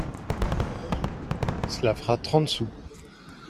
Cela fera trente sous.